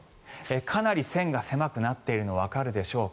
かなり線が狭くなっているのわかるでしょうか。